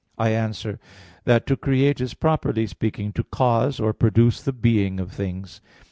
I answer that, To create is, properly speaking, to cause or produce the being of things.